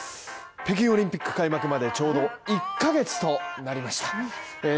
北京オリンピック開幕までちょうど１ヶ月となりました